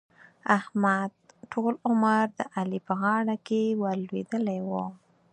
احمد؛ ټول عمر د علي په غاړه کې ور لوېدلی وو.